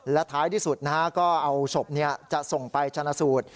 และท้ายที่สุดก็เอาศพจะส่งไปชนะสูตร